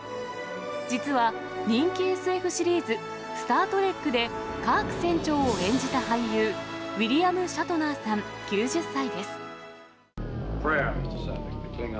実は人気ＳＦシリーズ、スター・トレックで、カーク船長を演じた俳優、ウィリアム・シャトナーさん９０歳です。